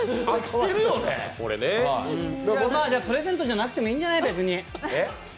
プレゼントじゃなくてもいいんじゃない、別に。